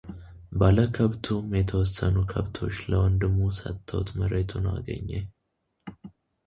ባለከብቱም የተወሰኑ ከብቶች ለወንድሙ ሰጥቶት መሬቱን አገኘ፡፡